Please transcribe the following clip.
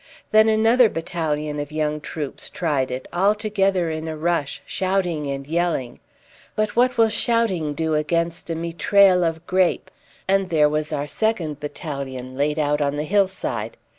Then another battalion of young troops tried it, all together in a rush, shouting and yelling; but what will shouting do against a mitraille of grape? And there was our second battalion laid out on the hillside.